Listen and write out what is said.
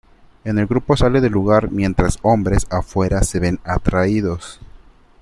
El grupo sale del lugar mientras hombres afuera se ven atraídos.